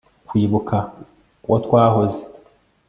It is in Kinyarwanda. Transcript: kwibuka uwo twahoze